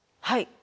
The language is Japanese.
はい。